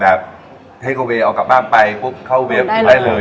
แต่เทรก่วเวย์เอากลับบ้านมาเลยไปเว็บกินได้เลย